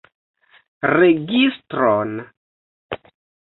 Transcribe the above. Registron?